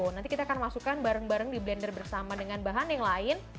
nanti kita akan masukkan bareng bareng di blender bersama dengan bahan yang lain